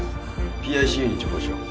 ＰＩＣＵに直行しよう。